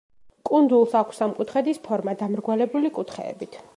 კუნძულს აქვს სამკუთხედის ფორმა, დამრგვალებული კუთხეებით.